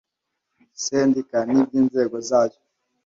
sendika n iby inzego zayo